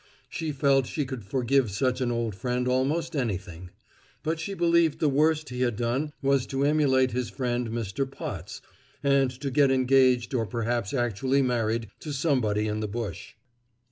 She felt she could forgive such an old friend almost anything. But she believed the worst he had done was to emulate his friend Mr. Potts, and to get engaged or perhaps actually married to somebody in the bush.